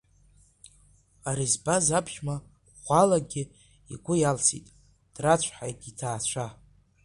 Ари збаз аԥшәма ӷәӷәалагьы игәы иалсит, драцәҳаит иҭаацәа.